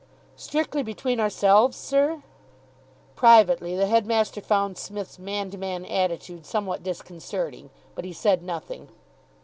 "Strictly between ourselves, sir " Privately, the headmaster found Psmith's man to man attitude somewhat disconcerting, but he said nothing.